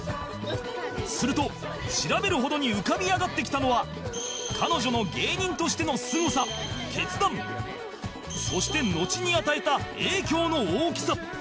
すると調べるほどに浮かび上がってきたのは彼女の芸人としてのすごさ決断そしてのちに与えた影響の大きさ